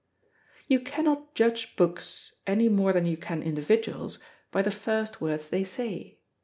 You cannot judge books, any more than you can individuals, by the first words they say.